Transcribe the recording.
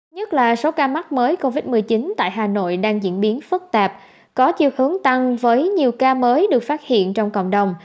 nhất là số ca mắc mới covid một mươi chín tại hà nội đang diễn biến phức tạp có chiều hướng tăng với nhiều ca mới được phát hiện trong cộng đồng